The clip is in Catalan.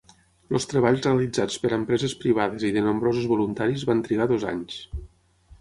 Els treballs realitzats per empreses privades i de nombrosos voluntaris van trigar dos anys.